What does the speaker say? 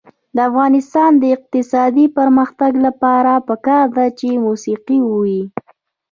د افغانستان د اقتصادي پرمختګ لپاره پکار ده چې موسیقي وي.